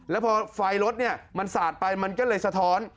แล้วพอไฟรถมันสาดไปมันก็เลยสะท้อน